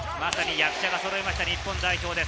役者がそろいました、日本代表。